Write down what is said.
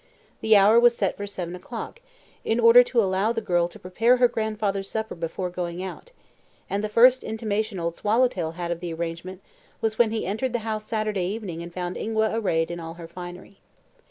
The hour was set for seven o'clock, in order to allow the girl to prepare her grandfather's supper before going out, and the first intimation Old Swallowtail had of the arrangement was when he entered the house Saturday evening and found Ingua arrayed in all her finery.